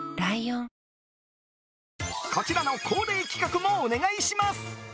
こちらの恒例企画もお願いします！